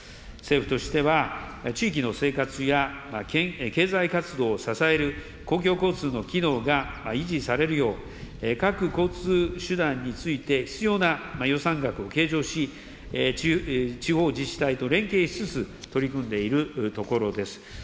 政府としては、地域の生活や経済活動を支える公共交通の機能が維持されるよう、各交通手段について、必要な予算額を計上し、地方自治体と連携しつつ、取り組んでいるところです。